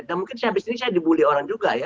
dan mungkin saya habis ini saya dibully orang juga ya